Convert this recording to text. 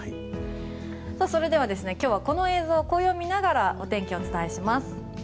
それでは、今日はこの映像紅葉を見ながらお天気お伝えします。